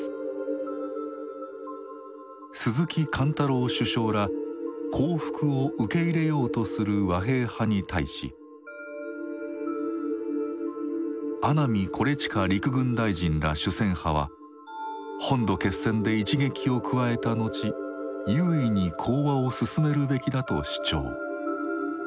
鈴木貫太郎首相ら降伏を受け入れようとする和平派に対し阿南惟幾陸軍大臣ら主戦派は本土決戦で一撃を加えた後優位に講和をすすめるべきだと主張。